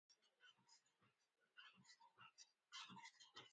She is very timid and silent.